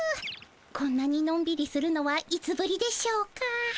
こんなにのんびりするのはいつぶりでしょうか。